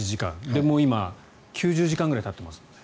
でも今、９０時間ぐらいたっていますので